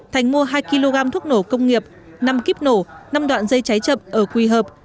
thành mua hai kg thuốc nổ công nghiệp năm kíp nổ năm đoạn dây cháy chậm ở quỳ hợp